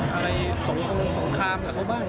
อะไรสงครามกับเขาบ้าง